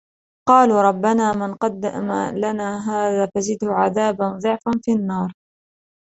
قالوا ربنا من قدم لنا هذا فزده عذابا ضعفا في النار